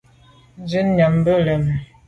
Shutnyàm be leme.